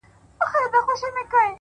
چي سترگو ته يې گورم؛ وای غزل لیکي؛